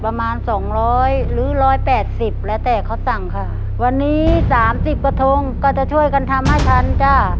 ประมาณสองร้อยหรือร้อยแปดสิบแล้วแต่เขาสั่งค่ะวันนี้สามสิบกระทงก็จะช่วยกันทำให้ทันจ้ะ